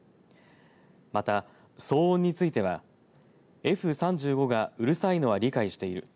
また、騒音についてはＦ３５がうるさいのは理解している。